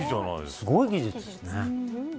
すごい技術ですね。